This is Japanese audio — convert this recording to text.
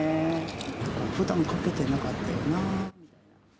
ふだんかけてなかったよなー。